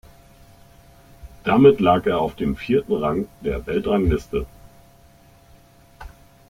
Damit lag er auf dem vierten Rang der Weltrangliste.